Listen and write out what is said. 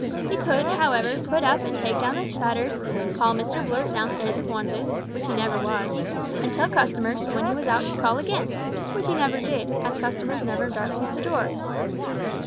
He could, however, put up and take down the shutters, call Mr Blurt down stairs if wanted which he never was; and tell customers, when he was out, to call again which he never did, as customers never darkened the door.